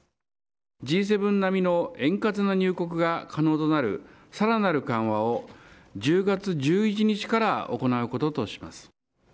Ｇ７並みの円滑な入国が可能となるさらなる緩和を１０月１１日から行うこととします。